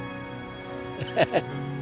ハハハ。